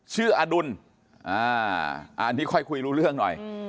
อดุลอันนี้ค่อยคุยรู้เรื่องหน่อย